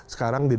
sekarang di dalam